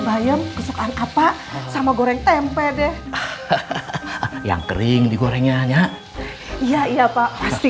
bayem kesukaan apa sama goreng tempe deh yang kering digorengnya hanya iya iya pak pasti